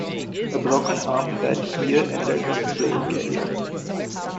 A broken arm that year ended his playing career.